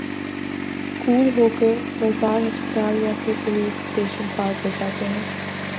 school ہو کہ بازار ہسپتال یا پھر پولیس اسٹیشن پار کر جاتے ہیں